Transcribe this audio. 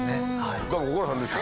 ご苦労さんでした。